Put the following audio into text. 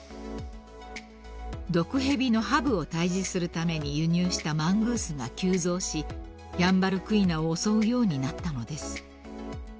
［毒蛇のハブを退治するために輸入したマングースが急増しヤンバルクイナを襲うようになったのです］